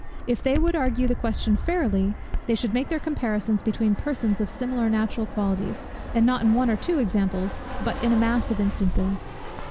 If they would argue the question fairly, they should make their comparisons between persons of similar natural qualities, and not in one or two examples, but in a mass of instances.